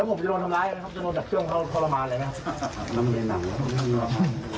อ่าน้ำในหนังน้ำในหนังโดนจับเครื่องเข้าทรมานอะไรไหมครับ